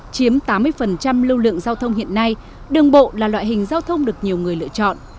chiếm tám mươi lưu lượng giao thông hiện nay đường bộ là loại hình giao thông được nhiều người lựa chọn